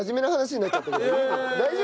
大丈夫？